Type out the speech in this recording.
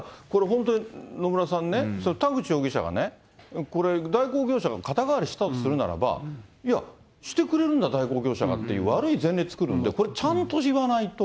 本当に野村さんね、田口容疑者がね、これ、代行業者が肩代わりしたとするならば、いや、してくれるんだ、代行業者がって、悪い前例作るんで、これちゃんと言わないと。